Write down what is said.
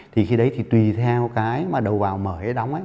thì khi đấy thì tùy theo cái mà đầu vào mở hay đóng ấy